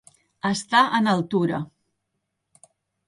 Està en altura.